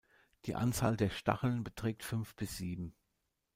Die Anzahl der Stacheln betrug fünf bis sieben.